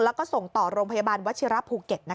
แล้วก็ส่งต่อโรงพยาบาลวัชิราบุกเก็ตนะคะ